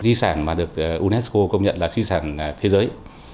di sản mà được unesco công nhận là di sản thế giới